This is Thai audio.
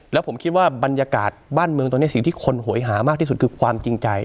แล้วผมคิดว่าบรรยากาศบ้านเมืองตอนนี้สิ่งที่คนโหยหามากที่สุดคือความจริงใจ